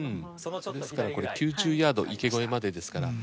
ですからこれ９０ヤード池越えまでですから。